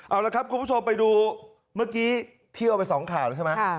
เอาละครับคุณผู้ชมไปดูเมื่อกี้เที่ยวไปสองข่าวแล้วใช่ไหม